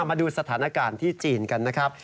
มาดูสถานการณ์ที่จีนกันนะครับ